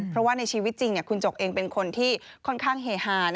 เพราะว่าในชีวิตจริงคุณจกเองเป็นคนที่ค่อนข้างเฮฮาน